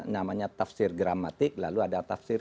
namanya tafsir gramatik lalu ada tafsir